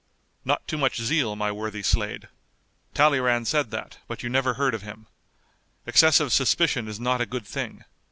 "Not too much zeal, my worthy Slade. Talleyrand said that, but you never heard of him. Excessive suspicion is not a good thing.